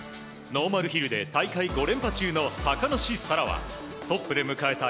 ノーマルヒルで大会５連覇中の高梨沙羅はトップで迎えた